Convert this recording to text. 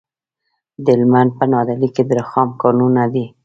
د هلمند په نادعلي کې د رخام کانونه دي.